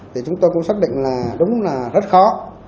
thì chúng tôi cũng xác định là đúng là rất khó